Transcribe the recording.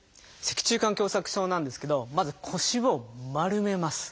脊柱管狭窄症なんですけどまず腰を丸めます。